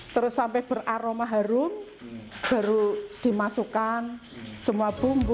terus sampai beraroma harum baru dimasukkan semua bumbu